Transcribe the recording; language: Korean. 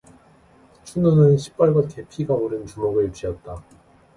춘우는 시뻘겋게 피가 오른 주먹을 쥐었다.